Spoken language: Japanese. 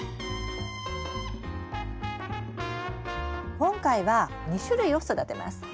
今回は２種類を育てます。